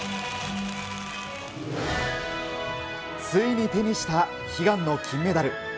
ついに手にした悲願の金メダル。